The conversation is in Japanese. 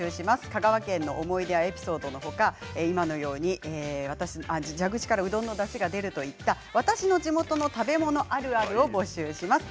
香川県の思い出やエピソードの他、今のように蛇口からうどんのだしが出るといった私の地元の食べ物あるあるを募集します。